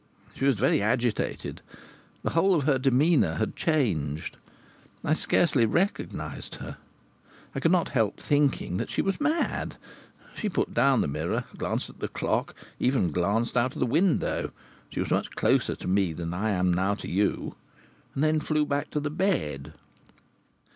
She was very agitated; the whole of her demeanour had changed; I scarcely recognized her. I could not help thinking that she was mad. She put down the mirror, glanced at the clock, even glanced out of the window (she was much closer to me than I am now to you), and then flew back to the bed.